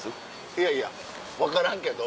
いやいや分からんけど。